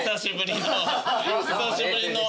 久しぶりの。